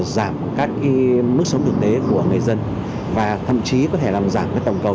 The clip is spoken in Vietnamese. giảm các mức sống thực tế của người dân và thậm chí có thể làm giảm tổng cầu